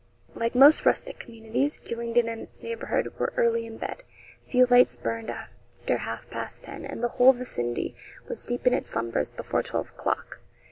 Like most rustic communities, Gylingden and its neighbourhood were early in bed. Few lights burned after half past ten, and the whole vicinity was deep in its slumbers before twelve o'clock.